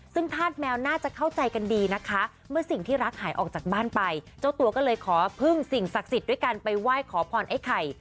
ซึ่งธาตุแมวน่าจะเข้าใจกันดีนะคะเมื่อสิ่งที่รักหายออกจากบ้านไปเจ้าตัวก็เลยขอพึ่งสิ่งศักดิ์สิทธิ์ด้วยการไปไหว้ขอพรไอ้ไข่